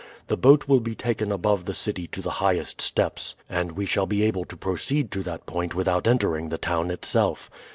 The boat will be taken above the city to the highest steps; and we shall be able to proceed to that point without entering the town itself.